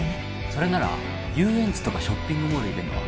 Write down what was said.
それなら遊園地とかショッピングモール入れんのは？